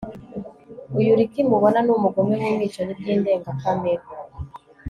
Uyu Ricky mubona ni umugome wumwicanyi byindengakamere